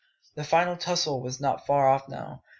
The "final tussle" was not far off now.